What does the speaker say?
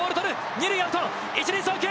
２塁アウト、１塁送球！